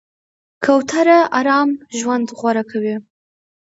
کوتره آرام ژوند غوره کوي.